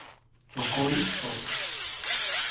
cukui cu